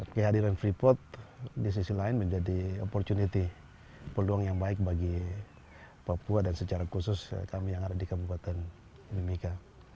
kehadiran freeport di sisi lain menjadi opportunity peluang yang baik bagi papua dan secara khusus kami yang ada di kabupaten mimika